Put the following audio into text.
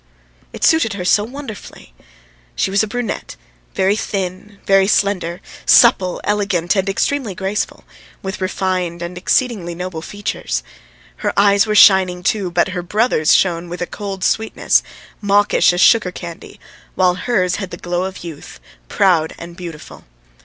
It suited her so wonderfully! She was a brunette, very thin, very slender, supple, elegant, and extremely graceful, with refined and exceedingly noble features. Her eyes were shining, too, but her brother's shone with a cold sweetness, mawkish as sugar candy, while hers had the glow of youth, proud and beautiful.